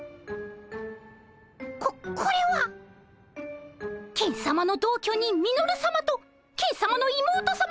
ここれはケンさまの同居人ミノルさまとケンさまの妹さまのさくらさま！